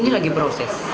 ini lagi proses